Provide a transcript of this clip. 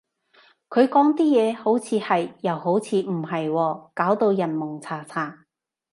佢講啲嘢，好似係，又好似唔係喎，搞到人矇查查